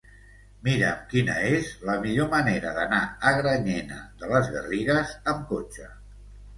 Mira'm quina és la millor manera d'anar a Granyena de les Garrigues amb cotxe.